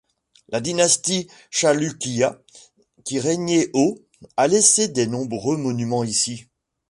La dynastie Chalukya qui régnait au a laissé des nombreux monuments ici.